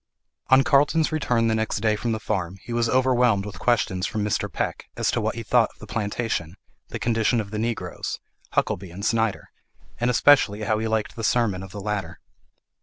ON Carlton's return the next day from the farm, he was overwhelmed with questions from Mr. Peck, as to what he thought of the plantation, the condition of the Negroes, Huckelby and Snyder; and especially how he liked the sermon of the latter.